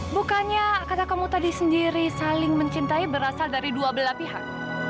bukannya kata kamu tadi sendiri saling mencintai berasal dari dua belah pihak